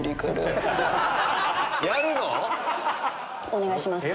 お願いします。